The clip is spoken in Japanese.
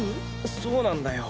そうなんだよ。